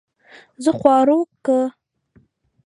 زۀ خواروک کۀ